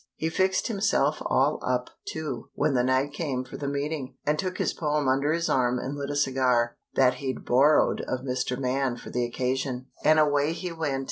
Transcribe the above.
He fixed himself all up, too, when the night came for the meeting, and took his poem under his arm and lit a cigar that he'd borrowed of Mr. Man for the occasion, and away he went.